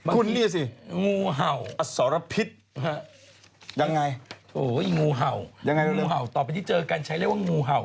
คุณเนี่ยสิอสรพิษยังไงงูเห่าต่อไปที่เจอกันใช้เรียกว่างงูเห่า